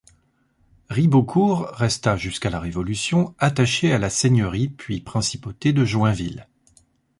Ribeaucourt resta jusqu'à la Révolution attachée à la seigneurie puis principauté de Joinville.